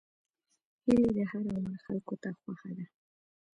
هیلۍ د هر عمر خلکو ته خوښه ده